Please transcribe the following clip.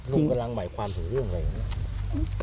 ลุงกำลังไหวความถูกเรื่องอะไรกันนะ